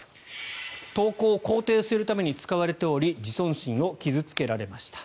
投稿を肯定するために使われており自尊心を傷付けられました。